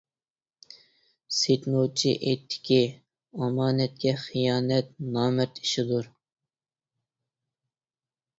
سېيىت نوچى ئېيتتىكى : ئامانەتكە خىيانەت، نامەرد ئىشىدۇر.